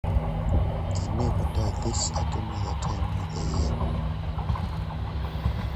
He never does this at any other time of the year.